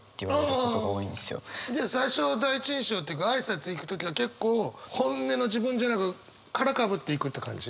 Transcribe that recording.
じゃあ最初第一印象というか挨拶行く時は結構本音の自分じゃなく殻かぶっていくって感じ？